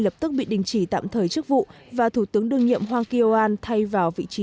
lập tức bị đình chỉ tạm thời chức vụ và thủ tướng đương nhiệm hwang kyo an thay vào vị trí